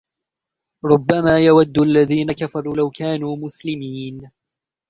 ربما يود الذين كفروا لو كانوا مسلمين